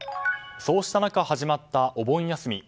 そうした中、始まったお盆休み。